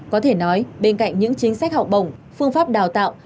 có thể nói bên cạnh những chính sách học bổng phương pháp đào tạo